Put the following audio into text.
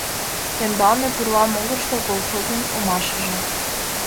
Тембалне, пурла могырышто, колхозын омашыже.